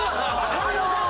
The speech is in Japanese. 上沼さん。